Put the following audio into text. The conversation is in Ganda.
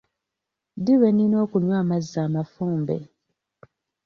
Ddi lwenina okunywa amazzi amafumbe?